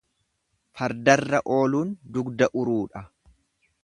Fardarra ooluun dugda uruudha.